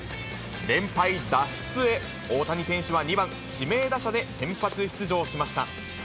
連敗脱出へ、大谷選手は２番指名打者で先発出場しました。